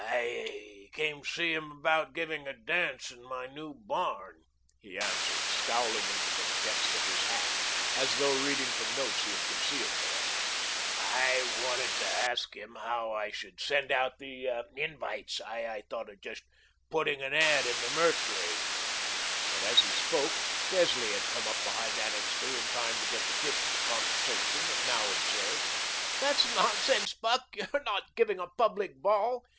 "I came to see about giving a dance in my new barn," he answered, scowling into the depths of his hat, as though reading from notes he had concealed there. "I wanted to ask how I should send out the invites. I thought of just putting an ad. in the 'Mercury.'" But as he spoke, Presley had come up behind Annixter in time to get the drift of the conversation, and now observed: "That's nonsense, Buck. You're not giving a public ball.